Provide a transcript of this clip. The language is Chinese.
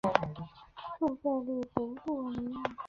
圣费利德帕利埃。